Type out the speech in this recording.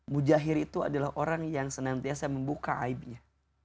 mujahir itu adalah orang yang senantiasa membuka aibnya